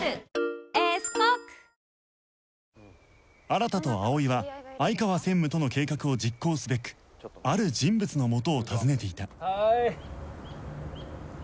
新と葵は相川専務との計画を実行すべくある人物のもとを訪ねていた